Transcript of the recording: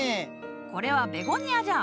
これはベゴニアじゃ。